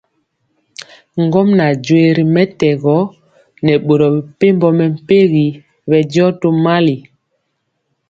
Ŋgomnaŋ joee ri mɛtɛgɔ nɛ boro mepempɔ mɛmpegi bɛndiɔ tomali.